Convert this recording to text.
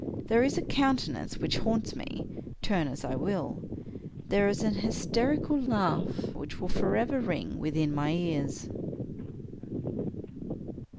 There is a countenance which haunts me, turn as I will. There is an hysterical laugh which will forever ring within my ears.